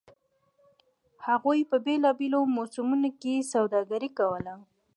هغوی په بېلابېلو موسمونو کې سوداګري کوله